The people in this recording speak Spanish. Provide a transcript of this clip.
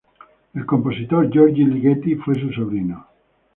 El compositor György Ligeti fue su sobrino.